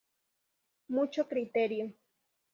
Mucho criterio.